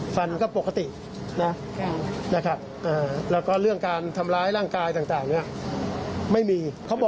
แล้วก็ไม่พบว่ามีการฟันหัดตามที่เป็นข่าวทางโซเชียลก็ไม่พบ